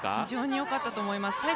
非常によかったと思います。